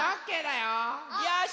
よし！